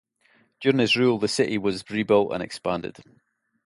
During his rule, the city was rebuilt and expanded.